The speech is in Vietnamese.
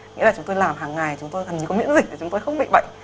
nghĩa là chúng tôi làm hàng ngày chúng tôi gần như có miễn dịch chúng tôi không bị bệnh